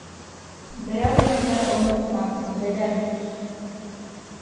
Берәүһен дә онотмам, беләм.